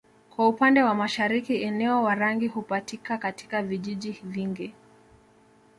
Kwa upande wa mashariki eneo Warangi hupatika katika vijiji vingi